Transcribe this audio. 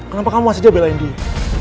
kenapa kamu masih dia belain dia